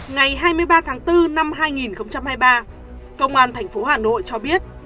ngày hai mươi ba tháng bốn năm hai nghìn hai mươi ba công an tp hà nội cho biết